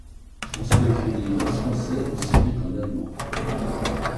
François écrit des livres en français aussi bien qu'en allemand.